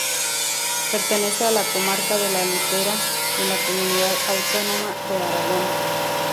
Pertenece a la comarca de La Litera, en la comunidad autónoma de Aragón.